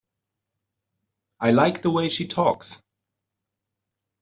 I like the way she talks.